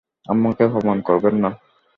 আমাকে অপমান করবেন না।